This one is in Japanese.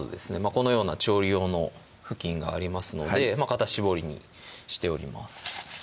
このような調理用の布巾がありますのでかた絞りにしております